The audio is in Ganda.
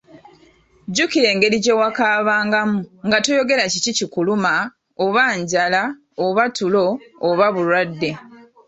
Jjukira engeri gye wakaabangamu, nga toyogera kiki kikuluma, oba njala, oba tulo, oba bulwadde.